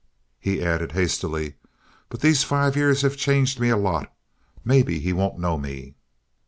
He added hastily: "But these five years have changed me a lot. Maybe he won't know me."